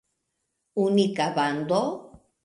Unika bando?